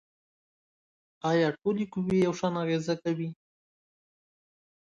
آیا ټولې قوې یو شان اغیزې کوي؟